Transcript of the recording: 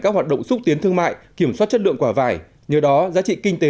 các hoạt động xúc tiến thương mại kiểm soát chất lượng quả vải nhờ đó giá trị kinh tế